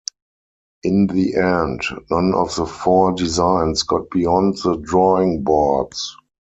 In the end, none of the four designs got beyond the drawing boards.